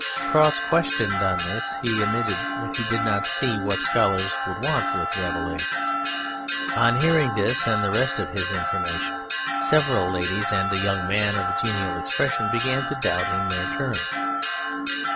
Cross questioned on this he admitted that he did not see what scholars could want with Rabelais. On hearing this and the rest of his information several ladies and a young man of genial expression began to doubt in their turn.